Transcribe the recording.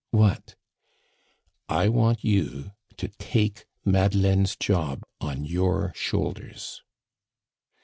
"What?" "I want you to take Madeleine's job on your shoulders."